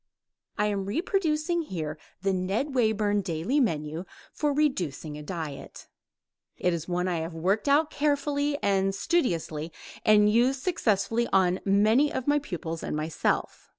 I am reproducing here the Ned Wayburn daily menu for a reducing diet. It is one I have worked out carefully and studiously and used successfully on many of my pupils and myself.